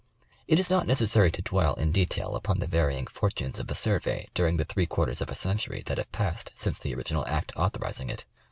It is not necessary to dwell, in detail, upon the varying fortunes of the survey during the three quarters of a century that have passed since the original act authorizing it.